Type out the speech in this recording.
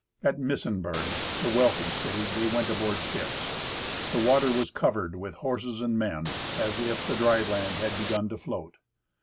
At Misenburg, the wealthy city, they went aboard ships. The water was covered with horses and men, as if the dry land had begun to float.